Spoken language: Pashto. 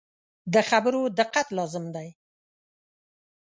د خبرو دقت لازم دی.